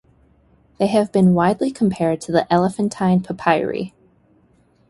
They have been widely compared to the Elephantine papyri.